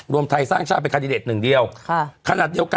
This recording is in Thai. รวมไทยสร้างชาติเป็นคันดิเดตหนึ่งเดียวค่ะขนาดเดียวกัน